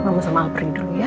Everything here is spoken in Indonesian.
kamu sama apri dulu ya